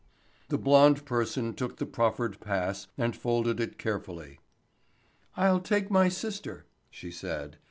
The blonde person took the proffered pass and folded it carefully. "I'll take my sister," she said.